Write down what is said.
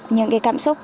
những cái cảm xúc